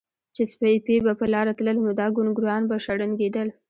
چې سپي به پۀ لاره تلل نو دا ګونګروګان به شړنګېدل